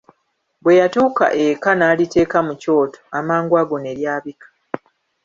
Bwe yatuuka eka n'aliteeka mu kyoto, amangu ago ne lyabika.